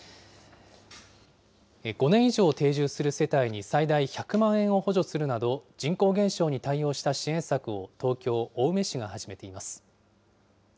５年以上定住する世帯に最大１００万円を補助するなど、人口減少に対応した支援策を東京・青梅市が始めています。